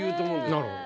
なるほど。